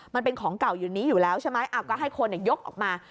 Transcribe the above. มันเป็นของเก่าอยู่ในนี้อยู่แล้วใช่ไหมก็ให้คนยกออกมา